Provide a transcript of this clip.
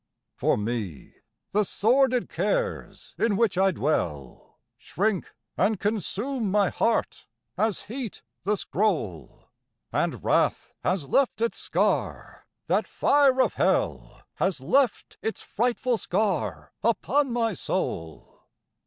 For me, the sordid cares in which I dwell, Shrink and consume my heart, as heat the scroll; And wrath has left its scar, that fire of hell Has left its frightful scar upon my soul.